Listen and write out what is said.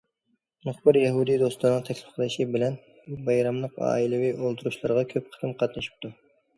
مۇخبىر يەھۇدىي دوستلىرىنىڭ تەكلىپ قىلىشى بىلەن بايراملىق ئائىلىۋى ئولتۇرۇشلارغا كۆپ قېتىم قاتنىشىپتۇ.